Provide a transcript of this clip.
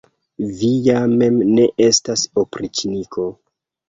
Vi ja mem ne estas opriĉniko!